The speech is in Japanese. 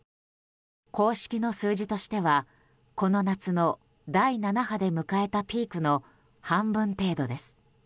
公式の数字としてはこの夏の第７波で迎えたピークの半分程度です。